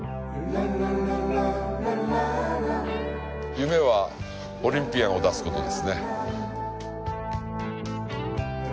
夢はオリンピアンを出す事ですね。